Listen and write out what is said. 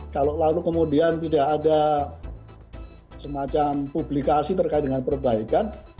kalau lalu kemudian tidak ada semacam publikasi terkait dengan perbaikan